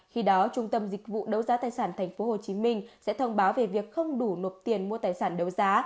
khi đó trung tâm dịch vụ đấu giá tài sản tp hcm sẽ thông báo về việc không đủ nộp tiền mua tài sản đấu giá